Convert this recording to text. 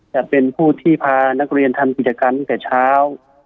จะเป็นผู้ที่พานักเรียนทำกิจกรรมตั้งแต่เช้า